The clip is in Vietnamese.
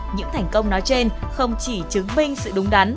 những thành công nói trên không chỉ chứng minh sự đúng đắn